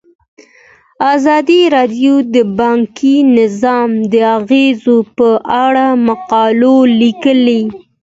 ازادي راډیو د بانکي نظام د اغیزو په اړه مقالو لیکلي.